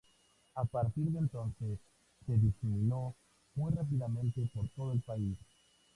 A partir de entonces, se diseminó muy rápidamente por todo el país.